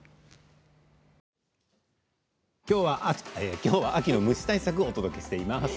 きょうは秋の虫対策をお届けしています。